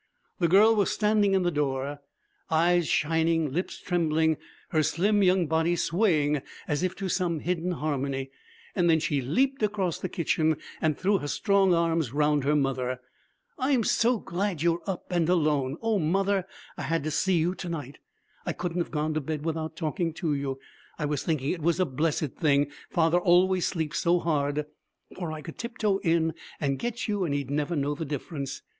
The girl was standing in the door eyes shining, lips trembling, her slim young body swaying as if to some hidden harmony. Then she leaped across the kitchen, and threw her strong arms round her mother. 'I'm so glad you're up and alone! O mother, I had to see you to night. I couldn't have gone to bed without talking to you. I was thinking it was a blessed thing father always sleeps so hard, for I could tip toe in and get you and he'd never know the difference.'